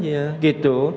dia ditangkap aja gitu